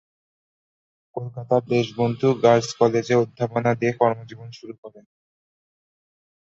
কলকাতার দেশবন্ধু গার্লস কলেজে অধ্যাপনা দিয়ে কর্মজীবন শুরু করেন।